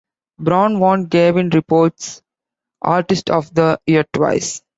Braun won Gavin Report's Artist of the Year twice.